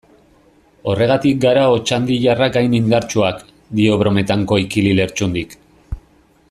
Horregatik gara otxandiarrak hain indartsuak, dio brometan Koikili Lertxundik.